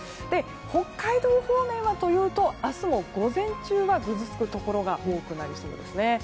北海道方面はというと明日も午前中はぐずつくところが多くなりそうですね。